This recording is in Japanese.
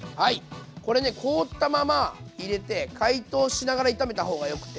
これね凍ったまま入れて解凍しながら炒めた方がよくて。